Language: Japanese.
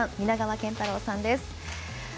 皆川賢太郎さんです。